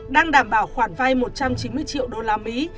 đang đảm bảo khoản vay một trăm chín mươi triệu đô la mỹ